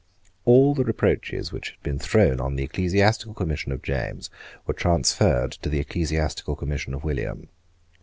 All the reproaches which had been thrown on the ecclesiastical commission of James were transferred to the ecclesiastical commission of William.